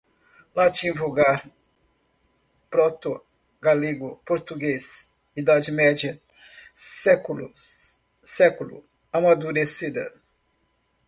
latim vulgar, proto-galego-português, Idade Média, séculos, século, amadurecida